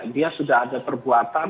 dia sudah ada perbuatan